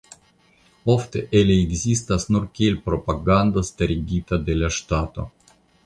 Ofte ili ekzistas nur kiel propagando starigita de la ŝtato.